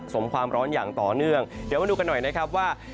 สมความร้อนอย่างต่อเนื่องเดี๋ยวมาดูกันหน่อยนะครับว่า